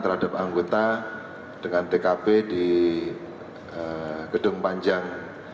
terhadap anggota dengan tkp di gedung panjang